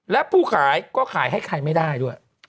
และผู้ขายก็ขายให้ใครไม่ได้ด้วย